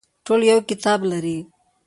ټول یو کتاب لري